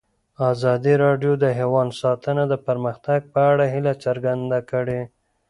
ازادي راډیو د حیوان ساتنه د پرمختګ په اړه هیله څرګنده کړې.